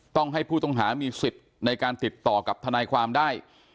ต้องให้ผู้ต้องหามีสิทธิ์ในการติดต่อกับทนายความได้